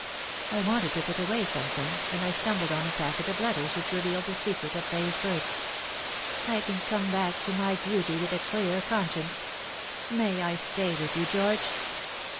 I wanted to put away some things, and I stumbled on a packet of letters which revealed the secret of Fay's birth. I can come back to my duty with a clear conscience. May I stay with you, George